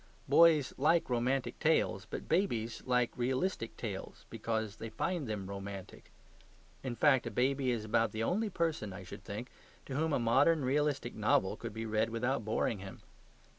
Boys like romantic tales; but babies like realistic tales because they find them romantic. In fact, a baby is about the only person, I should think, to whom a modern realistic novel could be read without boring him.